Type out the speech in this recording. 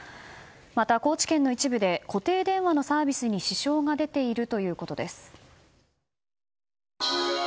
また高知県の一部で固定電話のサービスに支障が出ているということです。